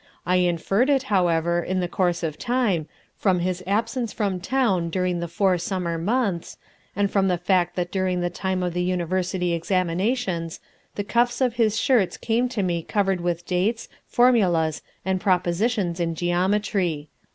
I inferred it, however, in the course of time, from his absence from town during the four summer months, and from the fact that during the time of the university examinations the cuffs of his shirts came to me covered with dates, formulas, and propositions in geometry.